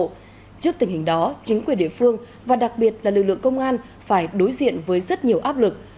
trước tình hình đó chính quyền địa phương và đặc biệt là lực lượng công an phải đối diện với rất nhiều áp lực